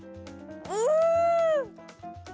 うん。